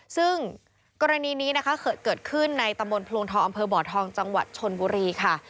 ซึ่งกรณีนี้นะคะเกิดขึ้นในตำบลพลวงทองอำเภอบ่อทองจังหวัดชนบุรีค่ะ